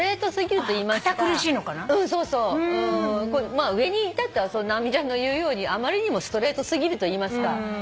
まあ上に至っては直美ちゃんの言うようにあまりにもストレートすぎるといいますか。